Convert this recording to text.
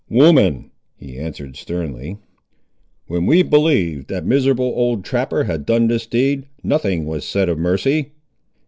"Woman," he answered sternly, "when we believed that miserable old trapper had done this deed, nothing was said of mercy!"